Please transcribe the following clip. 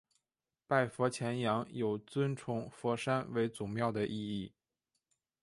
拜佛钳羊有尊崇佛山为祖庙的意义。